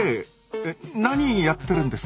えっ何やってるんですか？